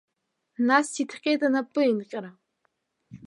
Нас иҭҟьеит анапеинҟьара.